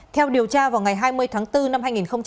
theo điều tra vào ngày hai mươi tháng bốn năm hai nghìn hai mươi